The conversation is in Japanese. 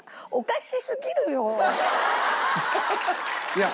いや。